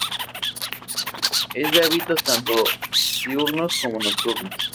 Es de hábitos tanto diurnos como nocturnos.